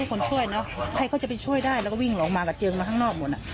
คนช่วยเนอะใครเขาจะไปช่วยได้แล้วก็วิ่งลงมากระเจิงมาข้างนอกหมดอ่ะ